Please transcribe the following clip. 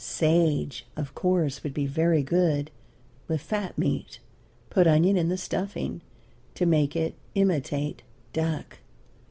Sage, of course, would be very good with fat meat; put onion in the stuffing to make it imitate duck.